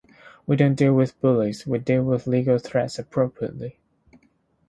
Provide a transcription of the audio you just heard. We don't deal with bullies; we deal with legal threats appropriately.